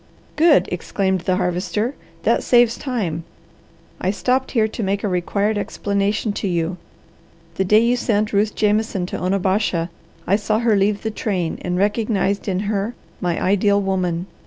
"Good!" exclaimed the Harvester. "That saves time. I stopped here to make a required explanation to you. The day you sent Ruth Jameson to Onabasha, I saw her leave the train and recognized in her my ideal woman.